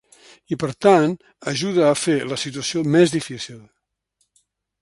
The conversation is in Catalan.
I per tant, ajuda a fer la situació més difícil.